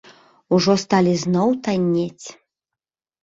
Ужо сталі зноў таннець.